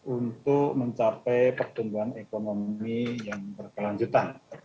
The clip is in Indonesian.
untuk mencapai pertumbuhan ekonomi yang berkelanjutan